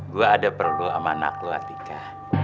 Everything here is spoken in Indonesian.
gua ada perlu ama anak lo tika